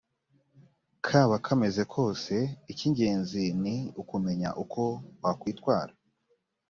kaba kameze kose icy ingenzi ni ukumenya uko wakwitwara